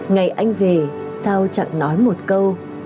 ngày anh về sao chẳng nói một câu